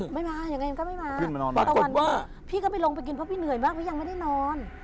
ไม่มายังไงก็ไม่มาพี่ก็ไปลงไปกินเพราะพี่เหนื่อยมากเพราะพี่ยังไม่ได้นอน